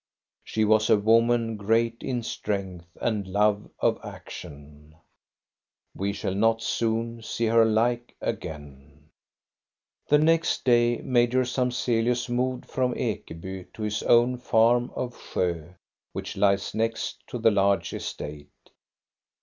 She was a woman great in strength and love of action. We shall not soon see her like again. The next day Major Samzelius moved from Ekeby to his own farm of Sjo, which lies next to the large estate.